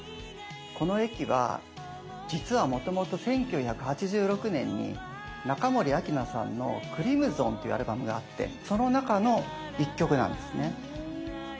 この「駅」は実はもともと１９８６年に中森明菜さんの「ＣＲＩＭＳＯＮ」っていうアルバムがあってその中の１曲なんですね。へ。